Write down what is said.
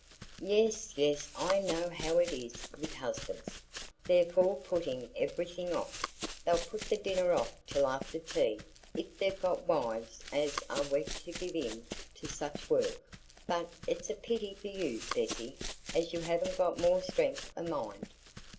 "Yes, yes, I know how it is with husbands,—they're for putting everything off; they'll put the dinner off till after tea, if they've got wives as are weak enough to give in to such work; but it's a pity for you, Bessy, as you haven't got more strength o' mind.